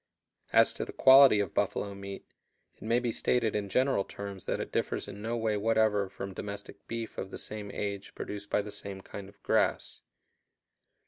As to the quality of buffalo meat, it may be stated in general terms that it differs in no way whatever from domestic beef of the same age produced by the same kind of grass.